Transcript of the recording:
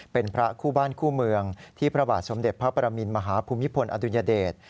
เป็นพระคู่บ้านคู่เมืองที่พระบาทสมเด็จพระปรมินมหาภูมิพลอดุญเดช